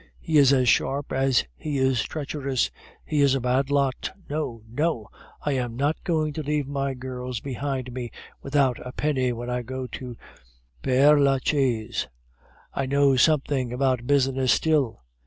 He is as sharp as he is treacherous; he is a bad lot! No, no; I am not going to leave my girls behind me without a penny when I go to Pere Lachaise. I know something about business still.